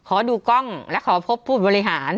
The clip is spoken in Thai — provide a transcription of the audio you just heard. ขอดูกล้องและขอพบผู้บริหาร